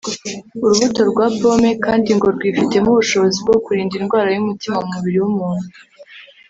urubuto rwa pomme kandi ngo rwifitemo ubushobozi bwo kurinda indwara y’umutima mu mubiri w’umuntu